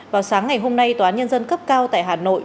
vào sáng ngày hôm nay tòa án nhân dân cấp cao tại hà nội